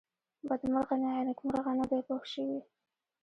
بدمرغه یا نېکمرغه نه دی پوه شوې!.